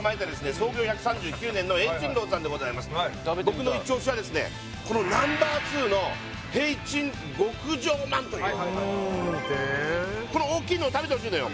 創業１３９年の聘珍樓さんでございます食べてみたいこのＮｏ．２の聘珍極上饅というこの大きいのを食べてほしいのよ